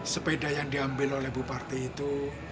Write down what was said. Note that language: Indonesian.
sepeda yang diambil oleh bupati itu